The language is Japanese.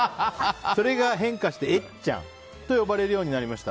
それが変化してえっちゃんと呼ばれるようになりました。